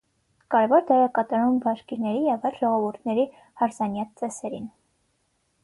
Կարեւոր դեր է կատարում բաշկիրների և այլ ժողովուրդների հարսանյաց ծեսերին։